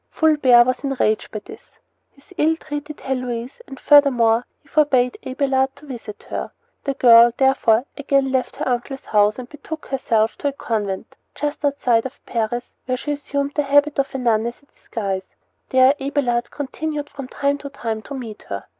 Fulbert was enraged by this. He ill treated Heloise, and, furthermore, he forbade Abelard to visit her. The girl, therefore, again left her uncle's house and betook herself to a convent just outside of Paris, where she assumed the habit of a nun as a disguise. There Abelard continued from time to time to meet her.